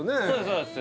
そうです